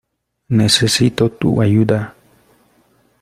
Necesito tu ayuda.